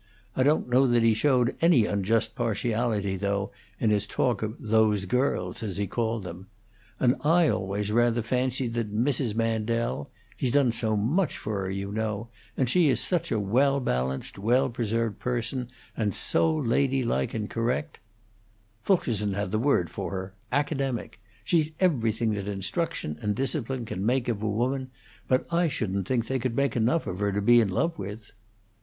I don't know that he showed any unjust partiality, though, in his talk of 'those girls,' as he called them. And I always rather fancied that Mrs. Mandel he's done so much for her, you know; and she is such a well balanced, well preserved person, and so lady like and correct " "Fulkerson had the word for her: academic. She's everything that instruction and discipline can make of a woman; but I shouldn't think they could make enough of her to be in love with."